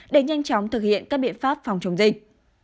để nhanh chóng thực hiện các biện pháp phòng chống dịch